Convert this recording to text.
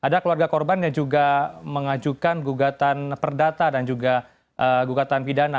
ada keluarga korban yang juga mengajukan gugatan perdata dan juga gugatan pidana